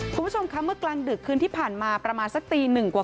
คุณผู้ชมคะเมื่อกลางดึกคืนที่ผ่านมาประมาณสักตีหนึ่งกว่า